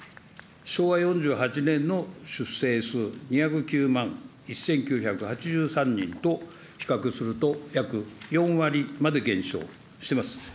昭和４８年の出生数２０９万１９８３人と比較すると、約４割まで減少してます。